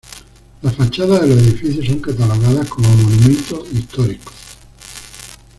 Las fachadas de los edificios son catalogadas como monumentos históricos.